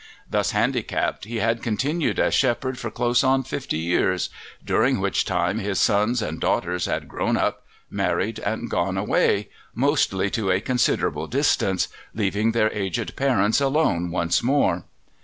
Thus handicapped he had continued as shepherd for close on fifty years, during which time his sons and daughters had grown up, married, and gone away, mostly to a considerable distance, leaving their aged parents alone once more.